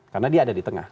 karena dia ada di tengah